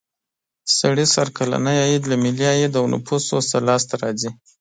سړي سر کلنی عاید له ملي عاید او نفوسو څخه لاس ته راځي.